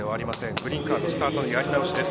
グリーンカードスタートのやり直しです。